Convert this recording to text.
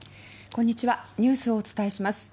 こんにちはニュースをお伝えします。